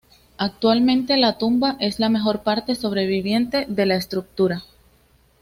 Actualmente, la tumba es la mejor parte sobreviviente de la estructura.